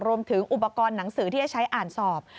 รวมถึงอุปกรณ์หนังสือที่จะใช้อ่านสอบ